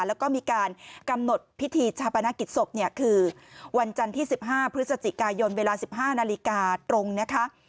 แล้วก็มีการกำหนดพิธีชาปนกิจศพเนี่ยคือวันจันทร์ที่๑๕พฤศจิกายนเวลา๑๕นาฬิกาตรงนะคะ